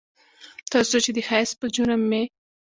ترڅو چې د ښایست په جرم مې